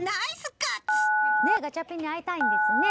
ガチャピンに会いたいんですね。